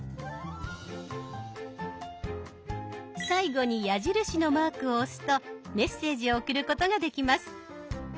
最後に矢印のマークを押すとメッセージを送ることができます。